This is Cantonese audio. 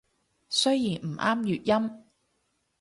雖然唔啱粵音